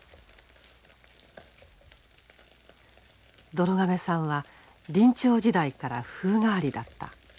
どろ亀さんは林長時代から風変わりだった。